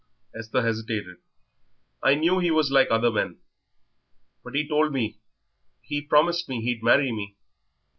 Esther hesitated. "I knew he was like other men. But he told me he promised me he'd marry me."